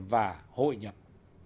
và hội nhập